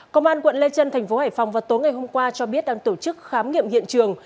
công an quận lê trân thành phố hải phòng vào tối ngày hôm qua cho biết đang tổ chức khám nghiệm hiện trường